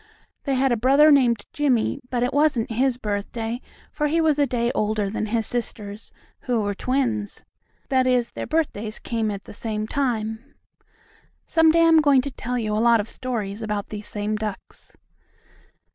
They had a brother named Jimmie, but it wasn't his birthday, for he was a day older than his sisters, who were twins. That is their birthdays came at the same time. Some day I'm going to tell you a lot of stories about these same ducks.